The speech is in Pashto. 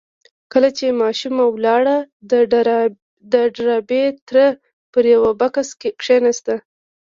کله چې ماشومه ولاړه د ډاربي تره پر يوه بکس کېناست.